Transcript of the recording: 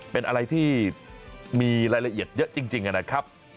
เป็นอะไรที่มีรายละเอียดเยอะจริงนะครับ